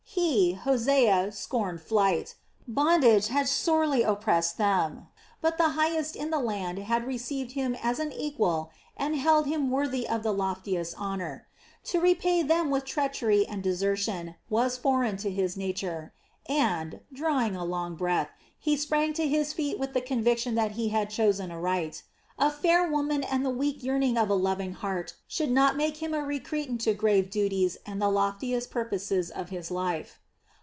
He, Hosea, scorned flight. Bondage had sorely oppressed them, but the highest in the land had received him as an equal and held him worthy of the loftiest honor. To repay them with treachery and desertion was foreign to his nature and, drawing a long breath, he sprang to his feet with the conviction that he had chosen aright. A fair woman and the weak yearning of a loving heart should not make him a recreant to grave duties and the loftiest purposes of his life.